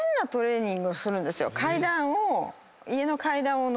階段を。